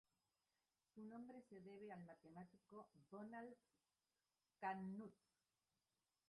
Su nombre se debe al matemático Donald Knuth.